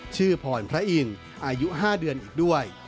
ชื่อพรพระอินทร์อายุ๕เดือนอีกด้วย